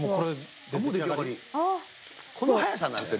この早さなんですよ